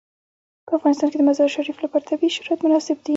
په افغانستان کې د مزارشریف لپاره طبیعي شرایط مناسب دي.